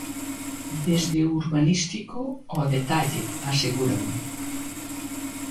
Desde o urbanístico ao detalle, aseguran.